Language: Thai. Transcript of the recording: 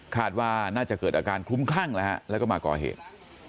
คาดว่าน่าจะเกิดอาการคลุ้มคลั่งแล้วก็มาก่อเหตุ